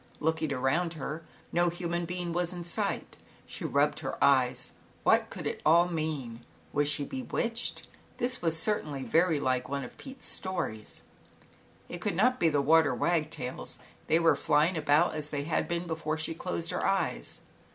Looking around her, no human being was in sight. She rubbed her eyes. What could it all mean? Was she bewitched? This was certainly very much like one of Pete's stories. It could not be the water wagtails; they were flying about as they had been before she closed her eyes.